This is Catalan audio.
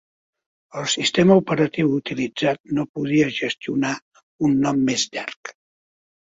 El sistema operatiu utilitzat no podia gestionar un nom més llarg.